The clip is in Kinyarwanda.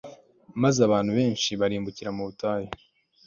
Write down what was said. maze abantu benshi barimbukira mu butayu